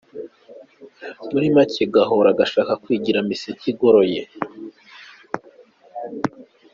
Muri make gahora gashaka kwigira miseke igoroye.